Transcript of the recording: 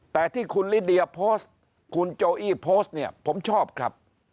แต่ที่คุณลิเดียโพสต์คุณโจอี้โพสต์เนี่ยผมชอบครับ